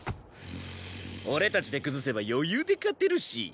俺たちで崩せば余裕で勝てるし！